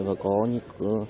và có những